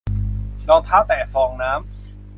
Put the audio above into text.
รองเท้าแตะฟองน้ำ